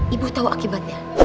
ibu tau akibatnya